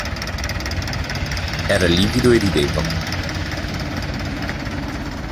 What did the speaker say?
Era livido e rideva.